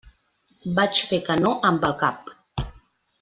Vaig fer que no amb el cap.